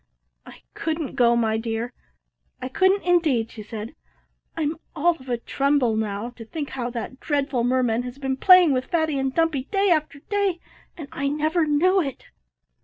"I couldn't go, my dear; I couldn't indeed," she said. "I'm all of a tremble now to think how that dreadful merman has been playing with Fatty and Dumpy day after day and I never knew it."